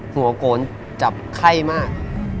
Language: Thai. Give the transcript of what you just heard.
หัวโกนจับไข้มาก